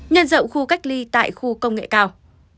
nhân rộng khu cách ly tại khu công nghệ cao